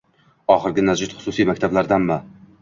Oxirgi najot xususiy maktablardanmi?